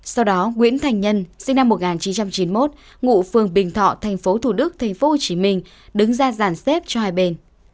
sau đó nguyễn thành nhân sinh năm một nghìn chín trăm chín mươi một ngụ phường bình thọ thành phố thủ đức thành phố hồ chí minh đứng ra giàn xếp cho hai bên